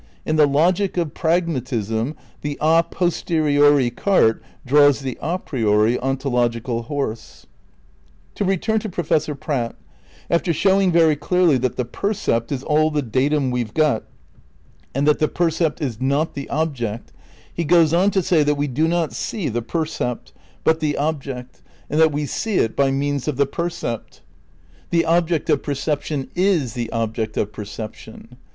In the logic of pragmatism the a posteriori cart draws the a priori ontological horse. To return to Professor Pratt. After showing very clearly that the percept is all the datum we've got, and that the percept is not the object, he goes on to say that we do not "see" the percept, but the object, ' See below, Space, Time and Other Consciousnesses, pp. 245 259. 122 THE NEW IDEALISM m and that we see it by means of the percept :'' the object of perception is the object of perception."